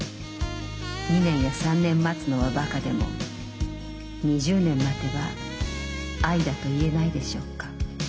２年や３年待つのはバカでも二十年待てば愛だと言えないでしょうか？